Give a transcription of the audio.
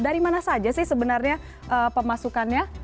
dari mana saja sih sebenarnya pemasukannya